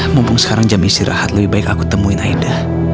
mumpung sekarang jam istirahat lebih baik aku temuin aida